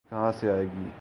یہ کہاں سے آئے گی؟